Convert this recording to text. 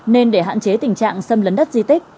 nên để hạn chế tình trạng xâm lấn đất di tích